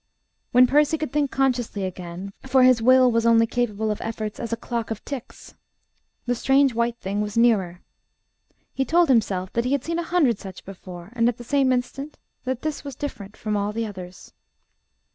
When Percy could think consciously again for his will was only capable of efforts as a clock of ticks the strange white thing was nearer. He told himself that he had seen a hundred such before; and at the same instant that this was different from all others.